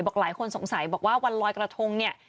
หลายคนสงสัยบอกว่าวันลอยกระทงเนี่ย